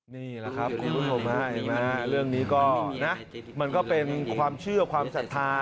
นี่แหละครับคุณผู้ชมเรื่องนี้ก็นะมันก็เป็นความเชื่อความศรัทธา